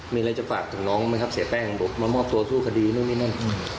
มีอะไรจะฝากถึงน้องไหมครับเสียแป้งมามอบตัวสู้คดีนู่นนี่นั่น